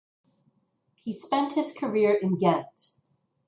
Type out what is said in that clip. He spent his career in Ghent.